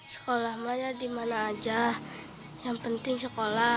sekolah mana dimana aja yang penting sekolah